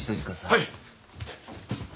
はい。